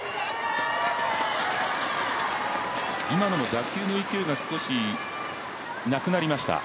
今のも打球の勢いが少しなくなりました。